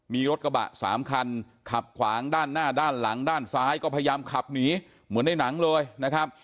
มีรถกระบะ๓คันขับขวางด้านหน้าด้านหลังด้านซ้ายก็พยายามขับหนีเหมือนในหนังเลยนะครับ